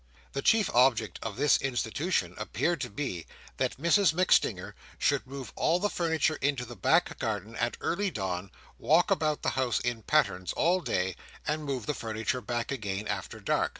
The chief object of this institution appeared to be, that Mrs MacStinger should move all the furniture into the back garden at early dawn, walk about the house in pattens all day, and move the furniture back again after dark.